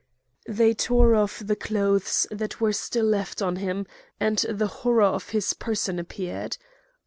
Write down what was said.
They tore off the clothes that were still left on him—and the horror of his person appeared.